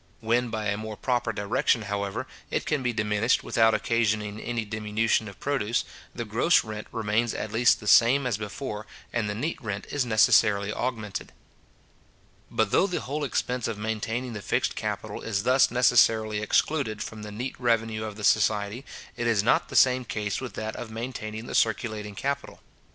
When by a more proper direction, however, it can be diminished without occasioning any diminution of produce, the gross rent remains at least the same as before, and the neat rent is necessarily augmented. But though the whole expense of maintaining the fixed capital is thus necessarily excluded from the neat revenue of the society, it is not the same case with that of maintaining the circulating capital.